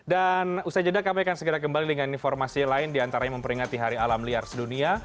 usai jeda kami akan segera kembali dengan informasi lain diantaranya memperingati hari alam liar sedunia